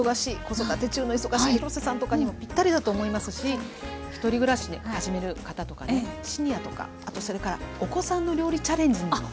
子育て中の忙しい廣瀬さんとかにもぴったりだと思いますし１人暮らしを始める方とかシニアとかあとそれからお子さんの料理チャレンジにも。